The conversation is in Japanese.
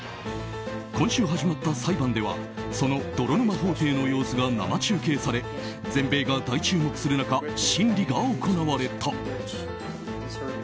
今週始まった裁判ではその泥沼法廷の様子が生中継され、全米が大注目する中審理が行われた。